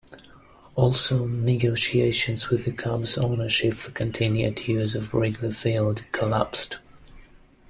Also, negotiations with the Cubs' ownership for continued use of Wrigley Field collapsed.